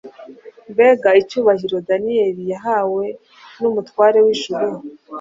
Mbega icyubahiro Daniyeli yahawe n’umutware w’ijuru!